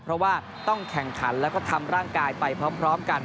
เพราะว่าต้องแข่งขันแล้วก็ทำร่างกายไปพร้อมกัน